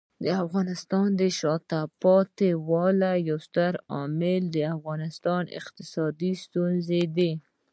د افغانستان د شاته پاتې والي یو ستر عامل اقتصادي ستونزې دي.